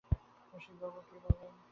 রসিকবাবু কী বলেন?